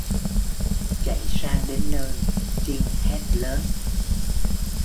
Chạy sang đến nơi chinh hét lớn